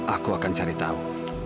aku akan cari tahu